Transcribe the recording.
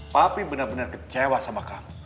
tapi benar benar kecewa sama kamu